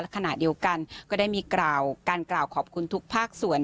ขณะเดียวกันก็ได้มีการกล่าวขอบคุณทุกภาคส่วน